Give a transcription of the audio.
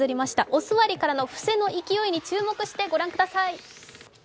お座りからの伏せの勢いに注目してご覧ください。